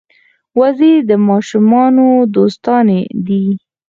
وزې د ماشومانو دوستانې دي